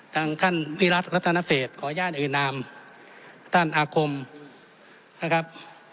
ทางท่านวิรัติรัตนเศษขออนุญาตเอ่ยนามท่านอาคมนะครับ